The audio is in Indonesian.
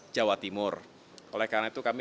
jawa timur oleh karena itu kami